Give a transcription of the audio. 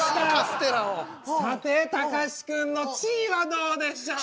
さてたかしくんの地位はどうでしょう？